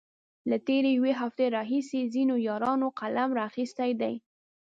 له تېرې يوې هفتې راهيسې ځينو يارانو قلم را اخستی دی.